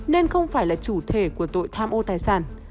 nên không phải là chủ thể của tội tham ô tài sản